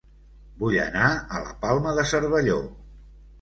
Vull anar a La Palma de Cervelló